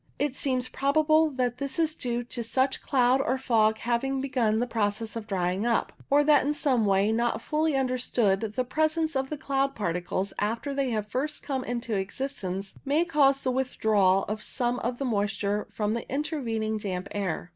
It seems probable that thig is due to such cloud or fog having begun the process of drying up, or that in some way not fully understood the presence of the cloud particles after they have first come into existence may cause the withdrawal of some of the moisture from the I02 CUMULUS intervening damp air.